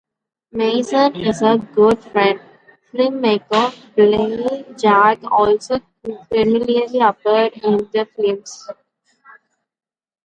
Mason's good friend, filmmaker Blake James, also frequently appeared in his films.